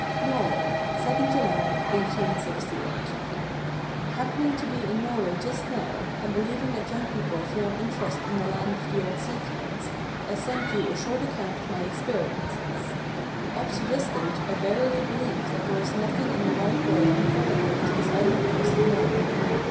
Norway, 2nd July, 1868. Happening to be in Norway just now, and believing that young people feel an interest in the land of the old sea kings, I send you a short account of my experiences. Up to this date I verily believe that there is nothing in the wide world comparable to this island coast of Norway.